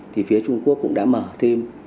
thì phía trung quốc cũng đã mở thêm